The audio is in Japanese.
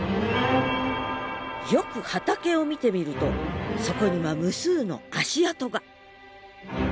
よく畑を見てみるとそこには無数の足跡が。